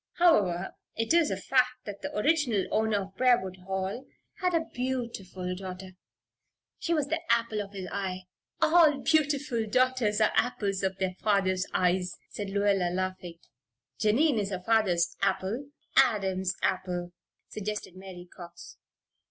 "However, it is a fact that the original owner of Briarwood Hall had a beautiful daughter. She was the apple of his eye all beautiful daughters are apples of their fathers' eyes," said Lluella, laughing. "Jennie is her father's apple " "Adam's apple," suggested Mary Cox.